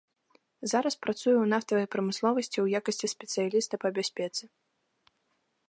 Зараз працуе ў нафтавай прамысловасці ў якасці спецыяліста па бяспецы.